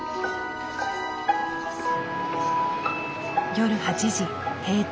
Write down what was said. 夜８時閉店。